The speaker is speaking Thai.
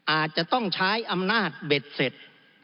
อาจจะต้องใช้อำนาจเบ็ดเสร็จ